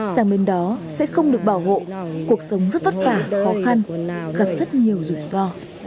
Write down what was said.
sang bên đó sẽ không được bảo hộ cuộc sống rất vất vả khó khăn gặp rất nhiều rủi ro